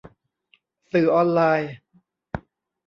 สื่อออนไลน์